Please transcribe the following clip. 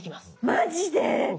マジで！